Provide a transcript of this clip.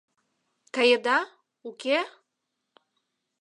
— Каеда, уке?!